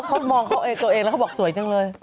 เขามองเขาเองตัวเองแล้วเขาบอกสวยจังเลย